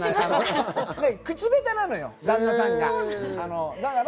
口下手なのよ旦那さんが。